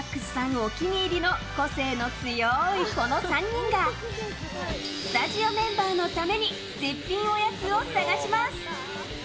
お気に入りの個性の強いこの３人がスタジオメンバーのために絶品おやつを探します！